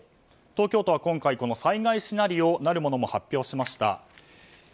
東京都は今回、災害シナリオなるものも発表しました。